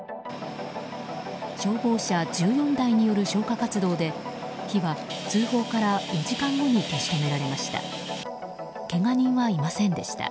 消防車１４台による消火活動で火は通報から４時間後に消し止められました。